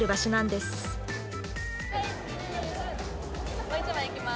もう一枚いきます